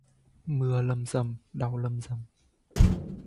Mưa lâm râm, đau lâm râm